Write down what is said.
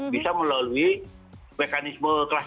bisa melalui mekanisme klasik